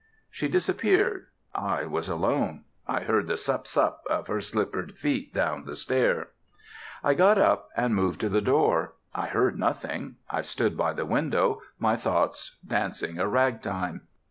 She disappeared. I was alone. I heard the sup sup of her slippered feet down the stair. I got up, and moved to the door. I heard nothing. I stood by the window, my thoughts dancing a ragtime.